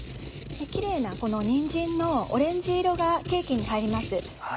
キレイなこのにんじんのオレンジ色がケーキに入ります。